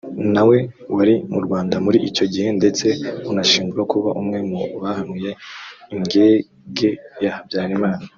na we wari mu Rwanda muri icyo gihe ndetse unashinjwa kuba umwe mu bahanuye ingege ya Habyarimana